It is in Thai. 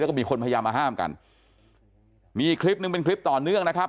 แล้วก็มีคนพยายามมาห้ามกันมีคลิปหนึ่งเป็นคลิปต่อเนื่องนะครับ